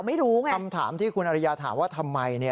ไม่รู้ไงคำถามที่คุณอริยาถามว่าทำไม